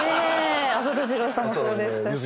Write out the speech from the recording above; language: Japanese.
浅田次郎さんもそうでしたし。